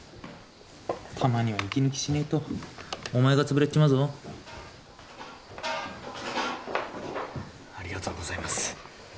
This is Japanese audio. たまには息抜きしねえとお前が潰れっちまうぞありがとうございます